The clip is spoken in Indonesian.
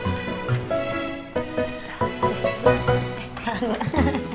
ya selamat pagi